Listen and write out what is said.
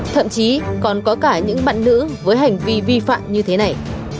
thậm chí còn có cả những bạn nữ với hành vi vi phạm như thế này